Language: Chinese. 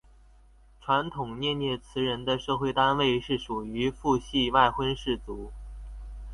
传统涅涅茨人的社会单位是属于父系外婚氏族。